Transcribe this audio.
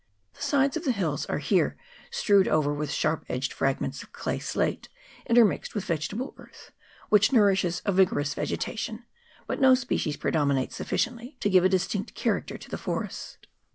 The sides of the hills are here strewed over with sharp edged frag ments of clay slate, intermixed with vegetable earth, which nourishes a vigorous vegetation, but no species 76 ERITONGA VALLEY. [PART 1. predominates sufficiently to give a distinct character to the forest.